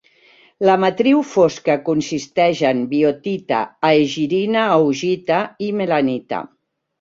La matriu fosca consisteix en biotita, aegirina-augita i melanita.